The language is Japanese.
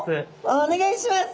おっお願いします。